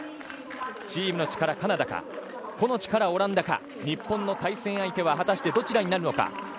チームの力はカナダか個の力、オランダか日本の対戦相手は果たしてどちらになるのか。